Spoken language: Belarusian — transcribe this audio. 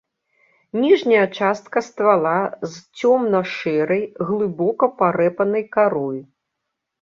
Ніжняя частка ствала з цёмна-шэрай, глыбока парэпанай карой.